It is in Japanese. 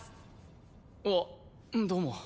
あっどうも。